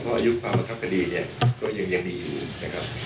เพราะอายุประมาทครับกดีเนี่ยก็ยังยังมีอยู่นะครับ